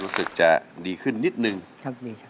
รู้สึกจะดีขึ้นนิดนึงครับดีครับ